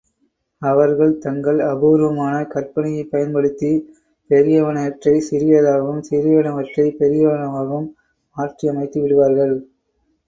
அவர்கள் தங்கள் அபூர்வமான கற்பனையைப் பயன்படுத்திப் பெரியனவற்றைச் சிறியதாகவும் சிறியனவற்றைப் பெரியனவாகவும் மாற்றியமைத்து விடுவார்கள்.